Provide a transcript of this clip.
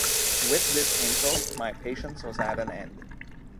With this insult my patience was at an end.